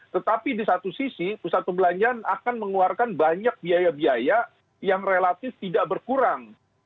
tetapi di satu sisi pusat perbelanjaan akan mengeluarkan banyak biaya biaya yang relatif tidak berkurang